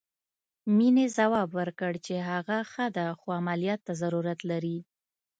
مينې ځواب ورکړ چې هغه ښه ده خو عمليات ته ضرورت لري.